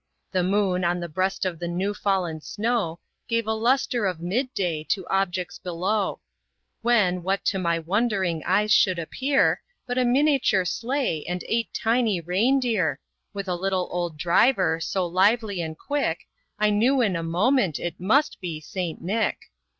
The moon, on the breast of the new fallen snow, Gave a lustre of mid day to objects below; When, what to my wondering eyes should appear, But a miniature sleigh, and eight tiny rein deer, With a little old driver, so lively and quick, I knew in a moment it must be St. Nick.